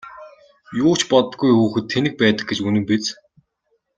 Юу ч боддоггүй хүүхэд тэнэг байдаг гэж үнэн биз!